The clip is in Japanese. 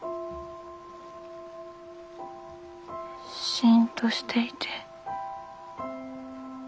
しんとしていて。